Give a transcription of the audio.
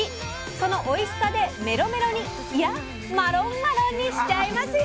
そのおいしさでメロメロにいや「マロンマロン」にしちゃいますよ！